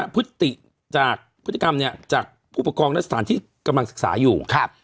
พฤติกรรมจากผู้ประคองรัฐฬาธรรมนั้นที่กำลังศึกษาอยู่